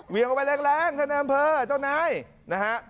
เวียงออกไปแรงท่านแอมเพลอเจ้านายนะฮะ